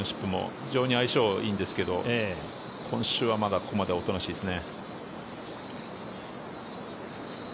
非常に相性がいいんですけど今週はまだおとなしいですね。